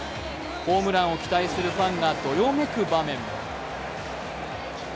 ホームランを期待するファンがどよめく場面も。